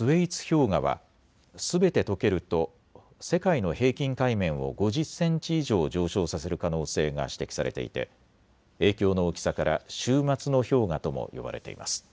氷河はすべてとけると世界の平均海面を５０センチ以上、上昇させる可能性が指摘されていて影響の大きさから終末の氷河とも呼ばれています。